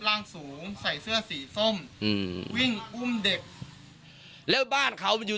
ร่างสูงใส่เสื้อสีส้มอืมวิ่งอุ้มเด็กแล้วบ้านเขามันอยู่